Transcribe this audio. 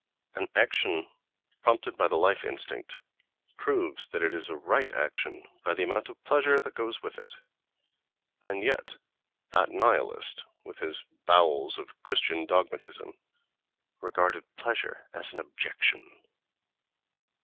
—An action prompted by the life instinct proves that it is a right action by the amount of pleasure that goes with it: and yet that Nihilist, with his bowels of Christian dogmatism, regarded pleasure as an objection....